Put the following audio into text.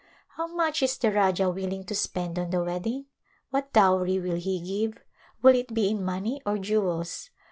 How much is the Rajah willing to spend on the wedding ? What dowry will he give ? Will it be in money or jewels